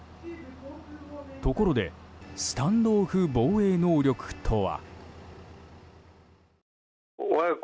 ところでスタンドオフ防衛能力とは。